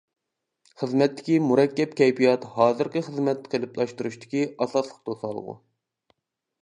خىزمەتتىكى مۇرەككەپ كەيپىيات ھازىرقى خىزمەت قېلىپلاشتۇرۇشتىكى ئاساسلىق توسالغۇ.